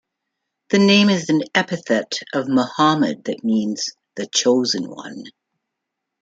The name is an epithet of Muhammad that means, "The Chosen One".